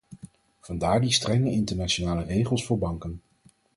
Vandaar die strenge internationale regels voor banken.